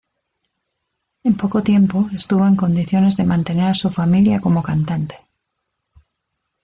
En poco tiempo estuvo en condiciones de mantener a su familia como cantante.